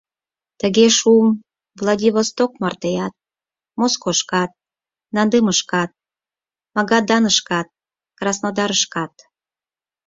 Тыге шуым Владивосток мартеат, Москошкат, Надымышкат, Магаданышкат, Краснодарышкат.